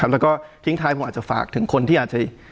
แล้วก็ทิ้งท้ายผมอาจจะฝากถึงคนที่อาจจะ